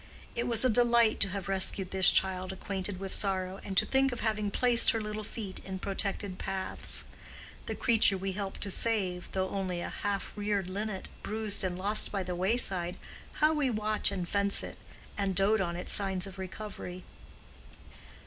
It was a delight to have rescued this child acquainted with sorrow, and to think of having placed her little feet in protected paths. The creature we help to save, though only a half reared linnet, bruised and lost by the wayside—how we watch and fence it, and dote on its signs of recovery!